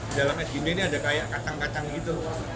di dalam es kimia ini ada kayak kacang kacang gitu